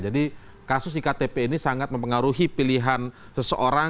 jadi kasus iktp ini sangat mempengaruhi pilihan seseorang